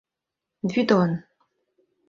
ВӰДОН